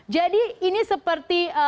jadi ini seperti